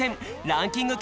ランキング